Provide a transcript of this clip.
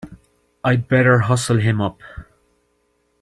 I'd better hustle him up!